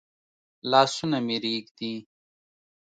لاسونه مي رېږدي ؟